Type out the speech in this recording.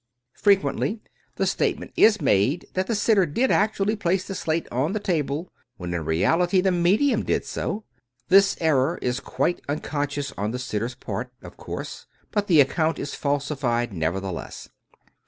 Frequently, the statement is made that the sitter did actually place the slate on the table, when in reality the medium did so. This error is quite unconscious on the sitter's part, of course, but the account is falsified, nevertheless.